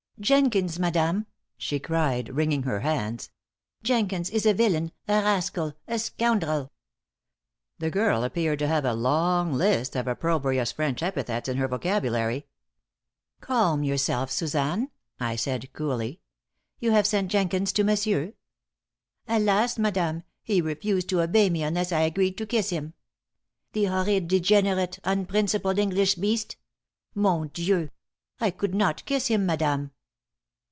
"Jenkins, madame," she cried, wringing her hands, "Jenkins is a villain, a rascal, a scoundrel." The girl appeared to have a long list of opprobrious French epithets in her vocabulary. "Calm yourself, Suzanne," I said, coolly. "You have sent Jenkins to monsieur?" "Alas, madame, he refused to obey me unless I agreed to kiss him. The horrid, degenerate, unprincipled English beast! Mon Dieu! I could not kiss him, madame."